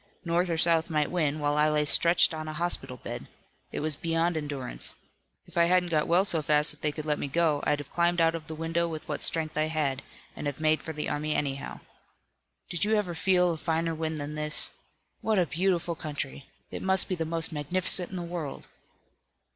North or South might win, while I lay stretched on a hospital bed. It was beyond endurance. If I hadn't got well so fast that they could let me go, I'd have climbed out of the window with what strength I had, and have made for the army anyhow. Did you ever feel a finer wind than this? What a beautiful country! It must be the most magnificent in the world!"